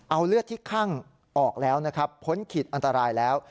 เอาเลือดที่คั่งออกแล้วนะครับพ้นขีดอันตรายแล้ว